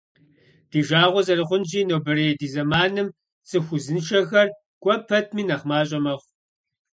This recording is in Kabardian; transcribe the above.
Ди жагъуэ зэрыхъунщи, нобэрей ди зэманым цӏыху узыншэхэр кӏуэ пэтми нэхъ мащӏэ мэхъу.